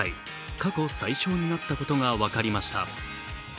過去最少になったことが分かりました。